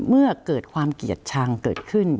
เมื่อเกิดความเกลียดชังเกิดขึ้น